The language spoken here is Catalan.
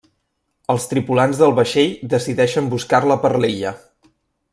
Els tripulants del vaixell decideixen buscar-la per l'illa.